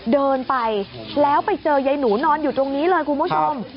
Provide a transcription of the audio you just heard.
เดินไปแล้วไปเจอยายหนูนอนอยู่ตรงนี้เลยคุณผู้ชม